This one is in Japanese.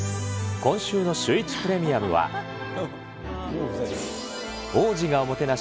今週のシューイチプレミアムは、王子がもてなし！